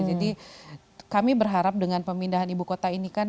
kami berharap dengan pemindahan ibu kota ini kan